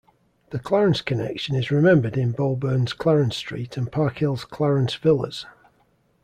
The Clarence connection is remembered in Bowburn's Clarence Street and Parkhill's Clarence Villas.